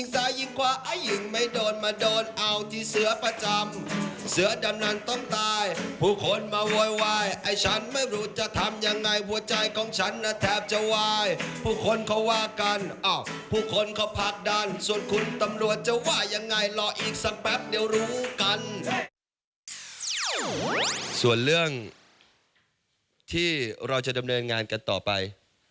ส่วนเรื่องที่เราจะดำเนินงานกันต่อไป